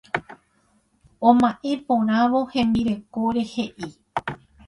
Oma'ẽ porãvo hembirekóre he'i.